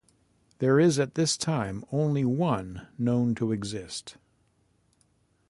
There is at this time only one known to exist.